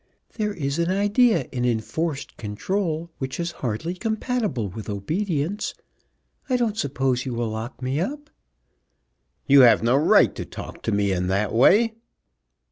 There is an idea in enforced control which is hardly compatible with obedience. I don't suppose you will lock me up." "You have no right to talk to me in that way."